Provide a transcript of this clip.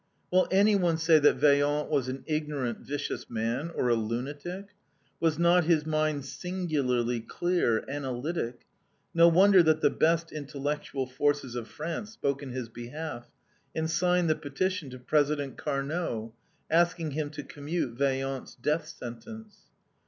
Will anyone say that Vaillant was an ignorant, vicious man, or a lunatic? Was not his mind singularly clear, analytic? No wonder that the best intellectual forces of France spoke in his behalf, and signed the petition to President Carnot, asking him to commute Vaillant's death sentence.